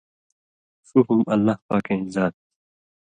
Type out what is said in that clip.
ݜُو ہم اللہ پاکَیں ذات تھی۔